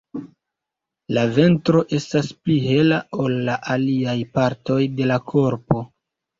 La ventro estas pli hela ol la aliaj partoj de la korpo.